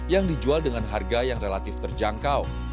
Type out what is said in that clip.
yang dijual dengan harga yang relatif terjangkau